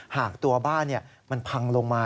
หากตัวบ้านมันพังลงมา